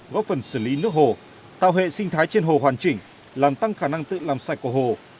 góp phần xử lý nước hồ tạo hệ sinh thái trên hồ hoàn chỉnh làm tăng khả năng tự làm sạch của hồ